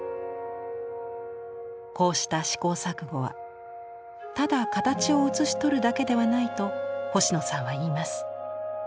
こうした試行錯誤はただ形を写し取るだけではないと星野さんは言います。